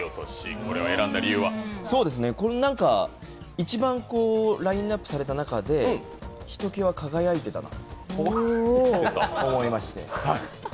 一番ラインナップされた中でひときわ輝いていたなと思いまして。